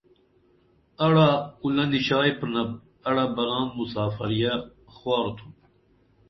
اڑا کُلہ نشائی پرِنپ اڑہ بران مسافریہ حوار تُھن